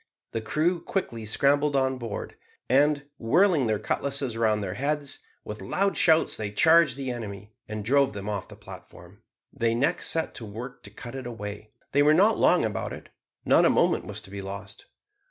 The crew quickly scrambled on board, and, whirling their cutlasses round their heads, with loud shouts they charged the enemy, and drove them off the platform. They next set to work to cut it away. They were not long about it. Not a moment was to be lost.